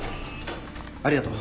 ありがとう。